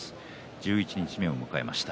十一日目を迎えました。